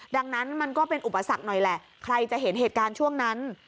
ดังนั้นมันก็เป็นอุปสรรคหน่อยแหละใครจะเห็นเหตุการณ์ช่วงนั้น